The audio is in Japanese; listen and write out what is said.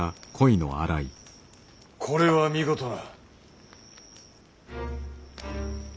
これは見事な。